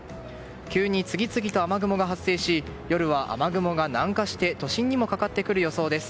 急に次々と雨雲が発生し夜は、雨雲が南下して都心にもかかってくる予想です。